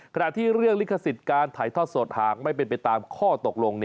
ขณะที่เรื่องลิขสิทธิ์การถ่ายทอดสดหากไม่เป็นไปตามข้อตกลง